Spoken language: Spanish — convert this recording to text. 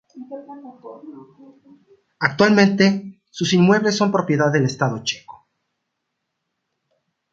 Actualmente, sus inmuebles son propiedad del estado checo.